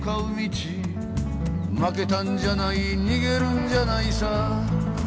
「負けたんじゃない逃げるんじゃないさ」